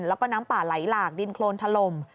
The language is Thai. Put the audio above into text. แล้วก็น้ำป่าไหลหลากดินโครนถล่ม